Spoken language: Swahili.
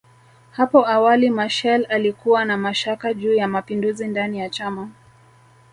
Hapo awali Machel alikuwa na mashaka juu ya mapinduzi ndani ya chama